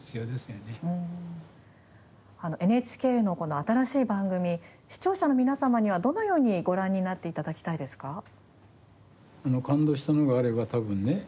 ＮＨＫのこの新しい番組視聴者の皆様にはどのようにご覧になっていただきたいですか？